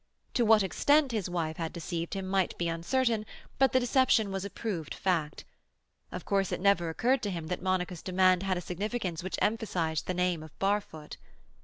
To what extent his wife had deceived him might be uncertain, but the deception was a proved fact. Of course it never occurred to him that Monica's demand had a significance which emphasized the name of Barfoot.